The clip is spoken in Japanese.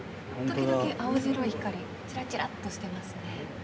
時々、青白い光がちらちらっとしてますね。